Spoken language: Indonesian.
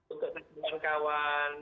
untuk teman teman kawan